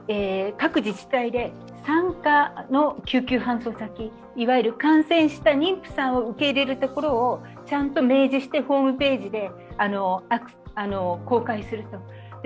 各自治体で産科の救急搬送先、いわゆる感染した妊婦さんを受け入れるところをちゃんと明示してホームページで公開する。